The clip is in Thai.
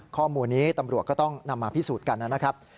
ข้อมูลนี้ตำรวจก็ต้องนำมาพิสูจน์กันนะครับ